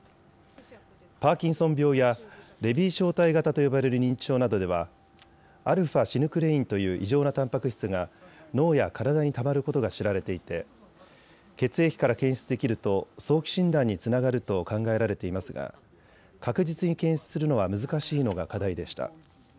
パーキンソン病やレビー小体型と呼ばれる認知症などではαシヌクレインという異常なたんぱく質が脳や体にたまることが知られていて血液から検出できると早期診断につながると考えられていますが確実に検出するのは難しいのが課題でした。